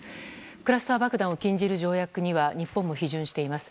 クラスター爆弾を禁じる条約には日本も批准しています。